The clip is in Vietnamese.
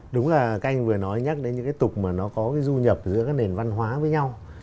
đúng là các anh vừa nói nhắc đến những cái tục mà nó có cái du nhập giữa cái nền văn hóa với nhau